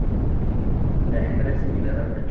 La hembra es similar al macho.